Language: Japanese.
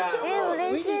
うれしい！